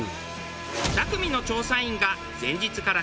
２組の調査員が前日から宿泊。